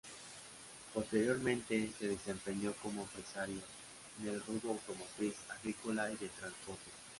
Posteriormente, se desempeñó como empresario en el rubro automotriz, agrícola y del transporte.